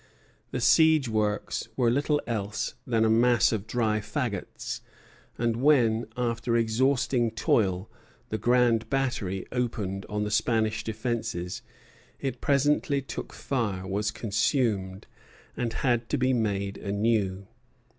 The siege works were little else than a mass of dry faggots; and when, after exhausting toil, the grand battery opened on the Spanish defences, it presently took fire, was consumed, and had to be made anew.